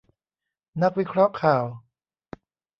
นักวิเคราะห์ข่าว